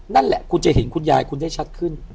นั่นแหละคุณจะเห็นคุณยายคุณได้ชัดขึ้น